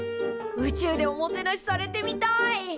宇宙でおもてなしされてみたい！